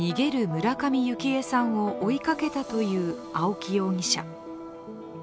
村上幸枝さんを追いかけたという青木容疑者。